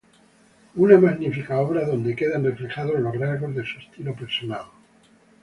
Una magnífica obra donde quedan reflejados los rasgos de su estilo personal.